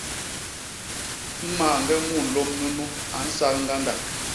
Mañge munlôm nunu a nsal ñgandak.